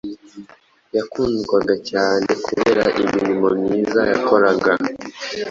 yakundwaga cyane kubera imirimo myiza yakoraga.